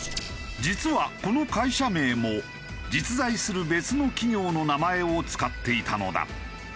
実はこの会社名も実在する別の企業の名前を使っていたのだ。